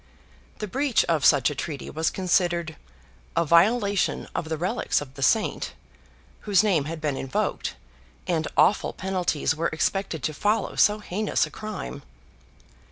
The breach of such a treaty was considered "a violation of the relics of the saint," whose name had been invoked, and awful penalties were expected to follow so heinous a crime.